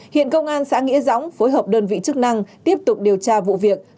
hiện công an xã nghĩa dõng phối hợp đơn vị chức năng tiếp tục điều tra vụ việc